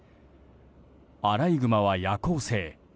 アライグマは夜行性。